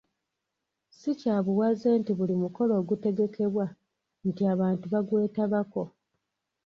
Si kya buwaze nti buli mukolo ogutegekebwa nti abantu bagwetabako.